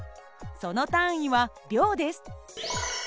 その単位は秒です。